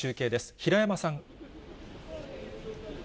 平山さん。